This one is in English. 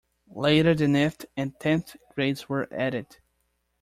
Later the ninth and tenth grades were added.